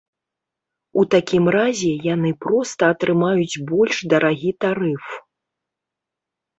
У такім разе яны проста атрымаюць больш дарагі тарыф.